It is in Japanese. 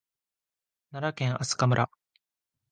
奈良県明日香村